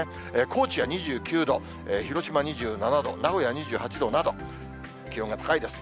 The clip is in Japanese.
高知は２９度、広島２７度、名古屋２８度など、気温が高いです。